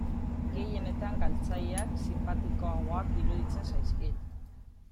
Gehienetan galtzaileak sinpatikoagoak iruditzen zaizkit.